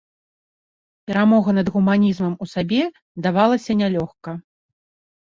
Перамога над гуманізмам у сабе давалася нялёгка.